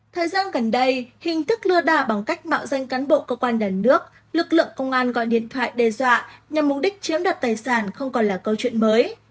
thời gian gần đây hình thức lừa đảo bằng cách mạo danh cán bộ cơ quan nhà nước lực lượng công an gọi điện thoại đe dọa nhằm mục đích chiếm đoạt tài sản không còn là câu chuyện mới